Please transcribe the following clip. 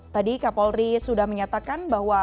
tadi kapolri sudah menyatakan bahwa